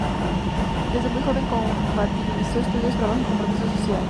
Desde muy joven compatibilizó estudios, trabajo y compromiso social.